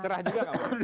cerah juga kamu